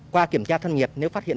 qua kiểm tra thân nhiệt nếu phát hiện